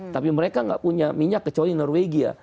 tapi mereka nggak punya minyak kecuali norwegia